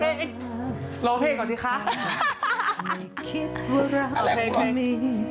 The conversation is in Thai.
ที่เคยให้ไปจริงจักรที่เคยให้ไปจริงจักร